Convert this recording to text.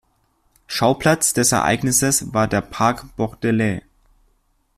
Schauplatz des Ereignisses war der Parc Bordelais.